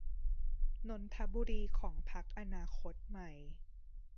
นนทบุรีของพรรคอนาคตใหม่